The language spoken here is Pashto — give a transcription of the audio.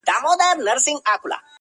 شیخه چي په شک مي درته وکتل معذور یمه،